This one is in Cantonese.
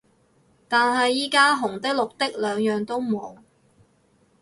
但係而家紅的綠的兩樣都冇